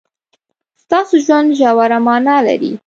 ستاسو ژوند ژوره مانا لري.